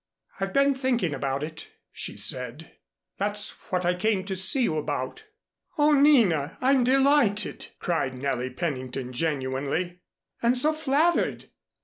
"I've been thinking about it," she said. "That's what I came to see you about." "Oh, Nina, I'm delighted!" cried Nellie Pennington genuinely, "and so flattered.